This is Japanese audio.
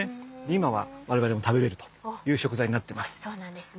今は我々も食べれるという食材になってます。